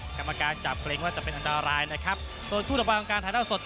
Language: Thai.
กรรมการจับเกรงว่าจะเป็นอันตรายนะครับส่วนคู่ระวังการถ่ายเท่าสด